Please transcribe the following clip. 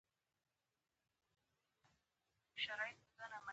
کچالو د زړونو تسکین دی